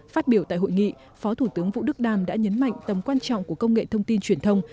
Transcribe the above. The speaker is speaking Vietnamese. phát biểu tại hội nghị phó thủ tướng vũ đức đam đã nhấn mạnh tầm quan trọng của công nghệ thông tin truyền thông